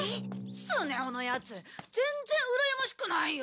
スネ夫のやつ全然うらやましくないよ。